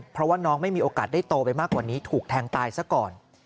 เพราะว่าน้องไม่มีโอกาสได้โตไปมากกว่านี้ถูกแทงตายซะก่อน